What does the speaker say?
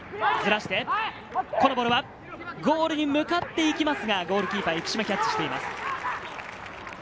ずらして、このボールはゴールに向かっていきますが、ゴールキーパーの生嶋がキャッチしています。